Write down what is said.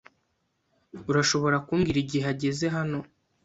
Urashobora kumbwira igihe ageze hano?